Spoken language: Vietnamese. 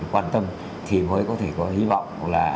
quan tâm thì mới có thể có hy vọng